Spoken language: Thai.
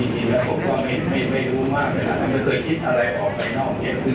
คือผมก็ไม่รู้มากเลยนะไม่เคยคิดอะไรออกไปนอกเนี่ย